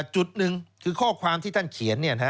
จุดหนึ่งคือข้อความที่ท่านเขียน